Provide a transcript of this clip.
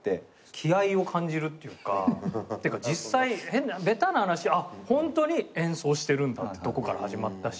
気合を感じるっていうかてか実際ベタな話あっホントに演奏してるんだってとこから始まったし。